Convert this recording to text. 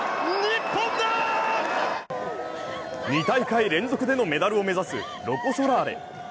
２大会連続でのメダルを目指すロコ・ソラーレ。